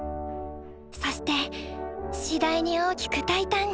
そして次第に大きく大胆に！